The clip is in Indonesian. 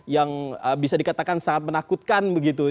yang bisa dikatakan sangat menakutkan begitu